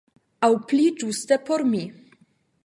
Aŭ pli ĝuste por mi.